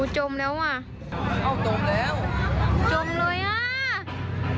จมแล้วอ่ะจมเลยอ่ะ